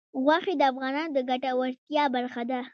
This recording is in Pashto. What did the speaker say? غوښې د افغانانو د ګټورتیا برخه ده.